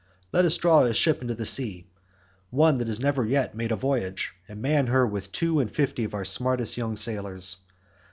Let us draw a ship into the sea—one that has never yet made a voyage—and man her with two and fifty of our smartest young sailors.